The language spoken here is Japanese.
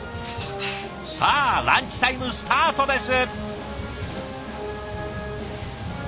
さあランチタイムスタートです！